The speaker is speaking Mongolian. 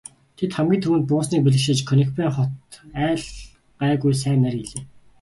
Тэд хамгийн түрүүнд буусныг бэлэгшээж Конекбайн хот айл гайгүй сайн найр хийлээ.